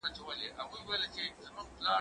زه به قلم استعمالوم کړی وي!؟